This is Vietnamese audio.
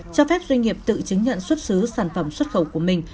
cho phép doanh nghiệp tự chứng nhận xuất xứ sản phẩm xuất khẩu của mình